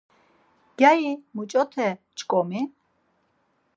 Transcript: Gyari muç̌ote ç̌oǩomi?